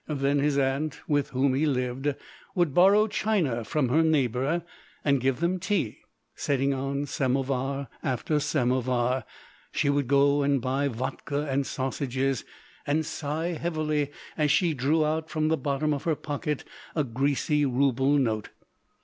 Then his aunt, with whom he lived, would borrow china from her neighbour, and give them tea, setting on samovar after samovar. She would go and buy vodka and sausages, and sigh heavily as she drew out from the bottom of her pocket a greasy rouble note.